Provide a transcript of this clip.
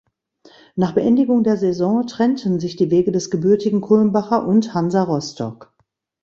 Nach Beendigung der Saison trennten sich die Wege des gebürtigen Kulmbacher und Hansa Rostock.